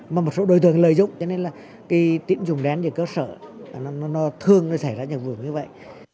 mà một số đối tượng lợi dụng cho nên là cái tín dụng đen như cơ sở nó thương nó xảy ra như vừa như vậy